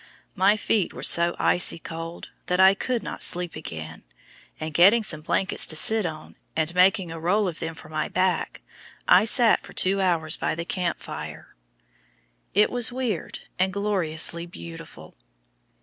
My feet were so icy cold that I could not sleep again, and getting some blankets to sit in, and making a roll of them for my back, I sat for two hours by the camp fire. It was weird and gloriously beautiful.